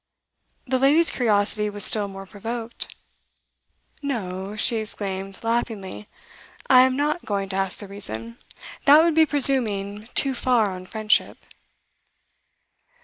The lady's curiosity was still more provoked. 'No,' she exclaimed laughingly, 'I am not going to ask the reason. That would be presuming too far on friendship.